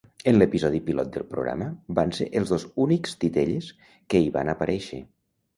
En l'episodi pilot del programa van ser els dos únics titelles que hi van aparèixer.